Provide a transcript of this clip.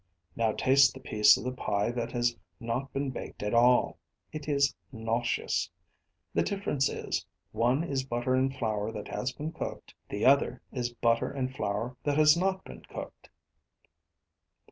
Now taste the piece of the pie that has not been baked at all. It is nauseous. The difference is one is butter and flour that has been cooked, the other is butter and flour that has not been cooked.